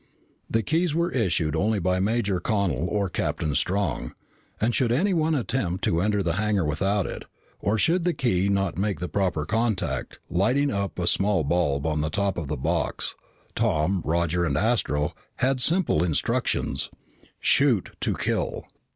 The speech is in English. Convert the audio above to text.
The keys were issued only by Major Connel or Captain Strong, and should anyone attempt to enter the hangar without it, or should the key not make the proper contact, lighting up a small bulb on the top of the box, Tom, Roger, and Astro had simple instructions: Shoot to kill.